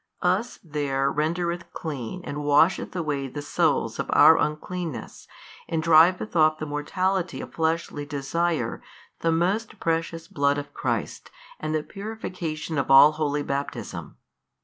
Us there rendereth clean and washeth away the soils of our uncleanness and driveth off the mortality of fleshly desire the Most Precious Blood of Christ and the purification of all holy Baptism.